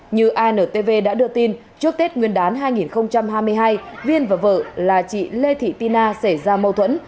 như antv đã đưa tin trước tết nguyên đán hai nghìn hai mươi hai viên và vợ là chị lê thị tina xảy ra mâu thuẫn